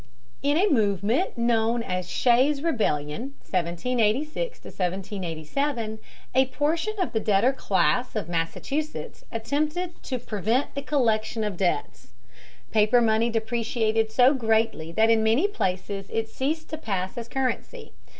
In a movement known as Shay's Rebellion (1786 1787), a portion of the debtor class of Massachusetts attempted to prevent the collection of debts. Paper money depreciated so greatly that in many places it ceased to pass as currency.